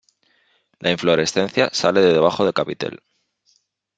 La inflorescencia sale de debajo de capitel.